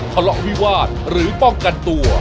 ขละวิวาดหรือต้องกันตัว